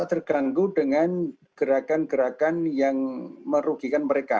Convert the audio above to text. terganggu dengan gerakan gerakan yang merugikan mereka